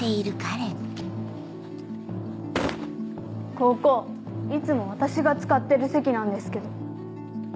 ここいつも私が使ってる席なんですけど。